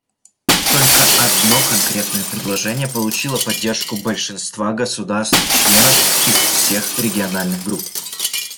Только одно конкретное предложение получило поддержку большинства государств-членов из всех региональных групп.